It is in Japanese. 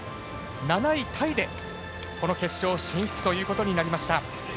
７位タイで決勝進出ということになりました。